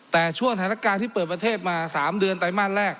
แต่ช่วงสถานการณ์ที่เปิดประเทศมา๓เดือนไตรมาสแรก